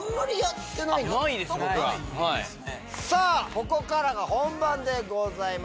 ここからが本番でございます。